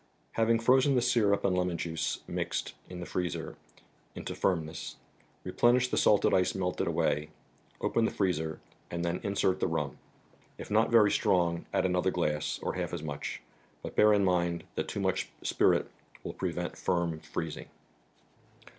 Having frozen the syrup and lemon juice, mixed, in the freezer, into firmness, replenish the salted ice melted away; open the freezer and then insert the rum. If not very strong, add another glass, or half as much, but bear in mind that too much spirit will prevent firm freezing.